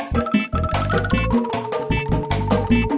mak baru masuk